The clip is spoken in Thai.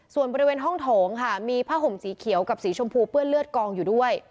ส่วนบริเวณห้องโถงค่ะมีผ้าห่มสีเขียวกับสีชมพูเปื้อนเลือดกองอยู่ด้วย